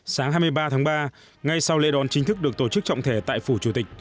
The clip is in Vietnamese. sáng hai mươi ba tháng ba ngay sau lễ đón chính thức được tổ chức trọng thể tại phủ chủ tịch